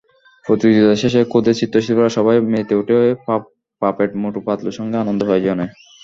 প্রতিযোগিতা শেষে খুদে চিত্রশিল্পীদের সবাই মেতে ওঠে পাপেট মোটু-পাতলুর সঙ্গে আনন্দ আয়োজনে।